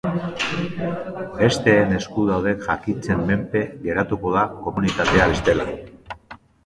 Besteen esku dauden jakintzen menpe geratuko da komunitatea bestela.